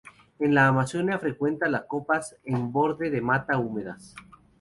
En la Amazonia frecuenta la copas en borde de mata húmedas.